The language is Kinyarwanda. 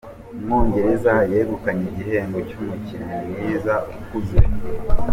Umwongereza yegukanye igihembo cy’umukinnyi mwiza ukuze